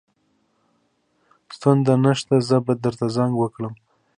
ستونزه نشته زه به درته زنګ وکړم